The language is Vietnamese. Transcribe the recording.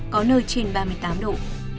có nơi trên ba mươi tám độ